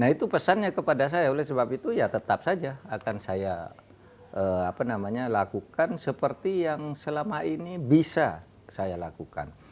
nah itu pesannya kepada saya oleh sebab itu ya tetap saja akan saya lakukan seperti yang selama ini bisa saya lakukan